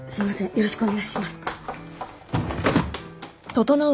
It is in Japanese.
よろしくお願いします。